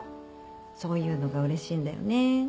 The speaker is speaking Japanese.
そういうのがうれしいんだよね。